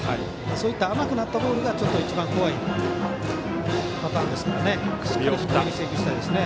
そういった甘くなったボールが一番怖いパターンですからね。